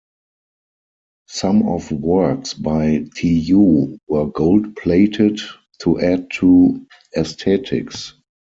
Some of works by Tijou were gold plated to add to aesthetics.